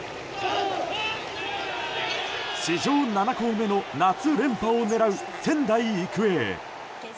史上７校目の夏連覇を狙う仙台育英。